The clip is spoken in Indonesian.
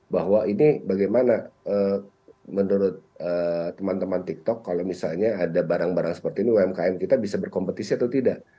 bahwa ini bagaimana menurut teman teman tiktok kalau misalnya ada barang barang seperti ini umkm kita bisa berkompetisi atau tidak